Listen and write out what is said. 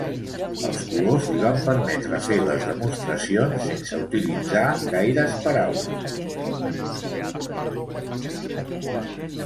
Els colors li van permetre fer les demostracions sense utilitzar gaires paraules.